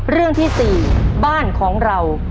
เรื่องที่๔บ้านของเรา